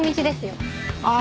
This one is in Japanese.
ああ！